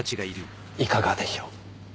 いかがでしょう？